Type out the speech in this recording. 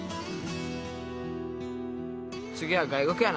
次は外国やな。